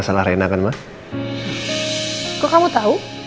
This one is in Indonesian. serahkan diri kita